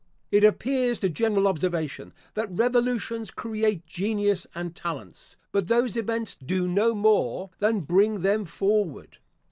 It appears to general observation, that revolutions create genius and talents; but those events do no more than bring them forward.